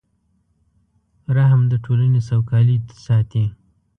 رحم د ټولنې سوکالي ساتي.